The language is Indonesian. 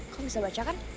kamu bisa baca kan